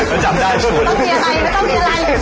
ไม่ต้องเรียนอะไร